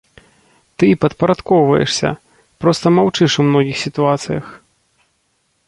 Ты падпарадкоўваешся, проста маўчыш у многіх сітуацыях.